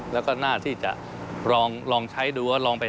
แล้วก็หน้าวิทยาศาสตร์ที่จะลองใช้ดูก็ลองไป๗๒